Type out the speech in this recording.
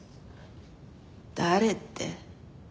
誰って。